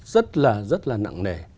rất là rất là nặng nể